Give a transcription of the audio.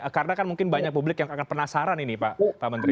karena mungkin banyak publik yang akan penasaran ini pak menteri